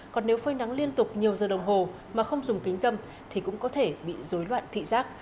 còn nếu phơi nắng liên tục nhiều giờ đồng hồ mà không dùng kính dâm thì cũng có thể bị dối loạn thị giác